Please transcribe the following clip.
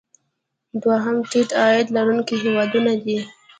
دوهم د ټیټ عاید لرونکي هیوادونه دي.